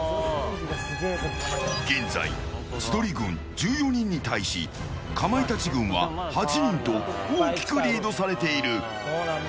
現在、千鳥軍１４人に対しかまいたち軍は８人と大きくリードされている。